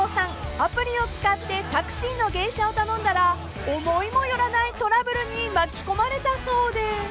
アプリを使ってタクシーの迎車を頼んだら思いも寄らないトラブルに巻き込まれたそうで］